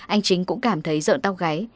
anh chính cũng cảm thấy rợn tóc gáy